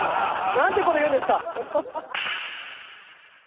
何てこと言うんですか！